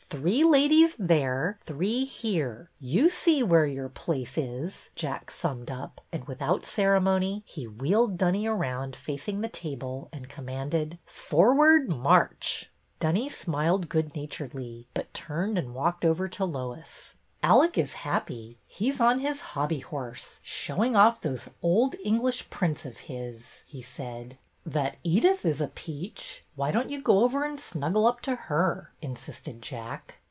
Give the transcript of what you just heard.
Three ladies there, three here. You see where your place is," Jack summed up, and with out ceremony he wheeled Dunny around facing the table and commanded: Forward, march !" Dunny smiled good naturedly, but turned and walked over to Lois. Alec is happy. He 's on his hobby horse, showing off those old English prints of his," he said. '' That Edyth is a peach. Why don't you go over and snuggle up to her?" insisted Jack.